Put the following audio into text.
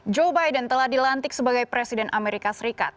joe biden telah dilantik sebagai presiden amerika serikat